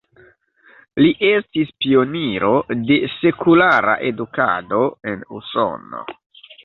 Li estis pioniro de sekulara edukado en Usono.